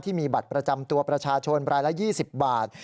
บัตรประจำตัวประชาชนรายละ๒๐บาท